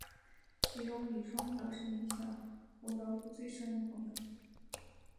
其中李双泽是影响胡德夫最深的朋友。